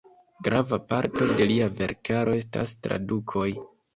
Grava parto de lia verkaro estas tradukoj.